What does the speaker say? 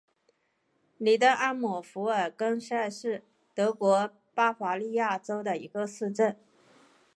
里登阿姆福尔根塞是德国巴伐利亚州的一个市镇。